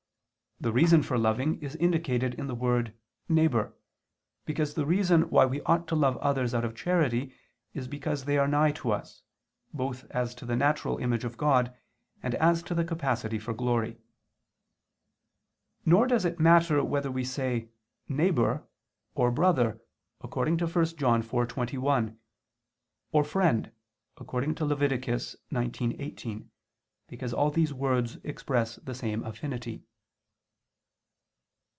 The reason for loving is indicated in the word "neighbor," because the reason why we ought to love others out of charity is because they are nigh to us, both as to the natural image of God, and as to the capacity for glory. Nor does it matter whether we say "neighbor," or "brother" according to 1 John 4:21, or "friend," according to Lev. 19:18, because all these words express the same affinity.